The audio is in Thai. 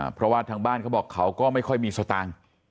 เพราะว่าทางบ้านเขาบอกเขาก็ไม่ค่อยมีสตางค์